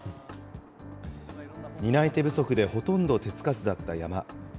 担い手不足でほとんど手付かずだった山。